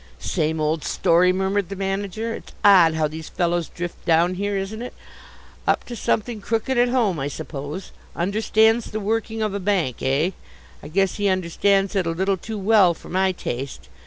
"Same old story," murmured the manager. "It's odd how these fellows drift down here, isn't it? Up to something crooked at home, I suppose. Understands the working of a bank, eh? I guess he understands it a little too well for my taste.